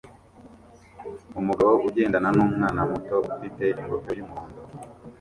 Umugabo ugendana numwana muto ufite ingofero yumuhondo